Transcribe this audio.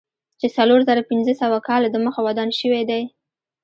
چې څلور زره پنځه سوه کاله دمخه ودان شوی دی.